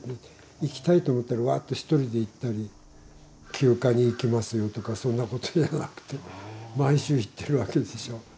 行きたいと思ったらワッと１人で行ったり「休暇に行きますよ」とかそんなことじゃなくて毎週行ってるわけでしょ。